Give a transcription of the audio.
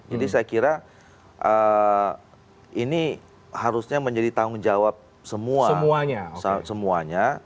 jadi saya kira ini harusnya menjadi tanggung jawab semuanya